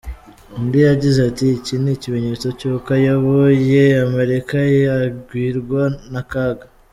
Undi yagize ati “Iki ni ikimenyetso cy’uko ayoboye Amerika yagwirwa n’akaga.